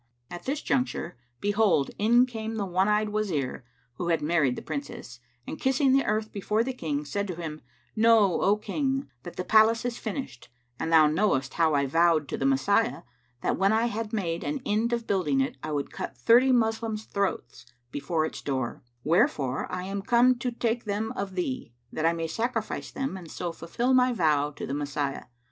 At this juncture, behold, in came the one eyed Wazir who had married the Princess and kissing the earth before the King said to him, "Know, O King, that the palace is finished; and thou knowest how I vowed to the Messiah that, when I had made an end of building it, I would cut thirty Moslems' throats before its doors; wherefore I am come to take them of thee, that I may sacrifice them and so fulfil my vow to the Messiah.